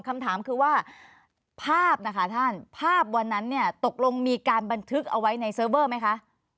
คำถามคือว่าภาพนะคะท่านภาพวันนั้นเนี่ยตกลงมีการบันทึกเอาไว้ในเซิร์ฟเวอร์ไหมคะ